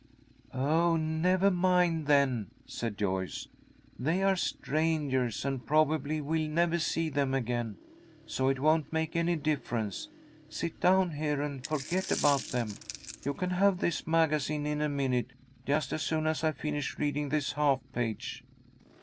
"Oh, never mind, then," said Joyce. "They are strangers, and probably we'll never see them again, so it won't make any difference. Sit down here and forget about them. You can have this magazine in a minute, just as soon as I finish reading this half page."